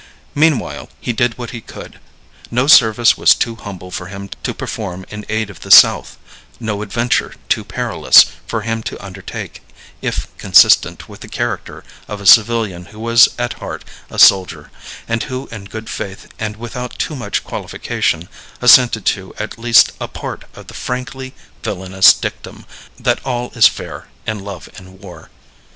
Meanwhile he did what he could. No service was too humble for him to perform in aid of the South, no adventure too perilous for him to undertake if consistent with the character of a civilian who was at heart a soldier, and who in good faith and without too much qualification assented to at least a part of the frankly villainous dictum that all is fair in love and war.